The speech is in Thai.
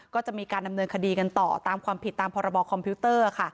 ก็จะมีการดำเนินคดีกันต่อตามความผิดตามพรบคอมพิวเตอร์